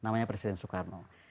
namanya presiden soekarno